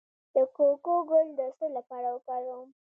د کوکو ګل د څه لپاره وکاروم؟